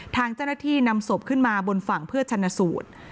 ทางเจ้าหน้าที่นำศพขึ้นมาบนฝั่งเพื่อชนะสูตร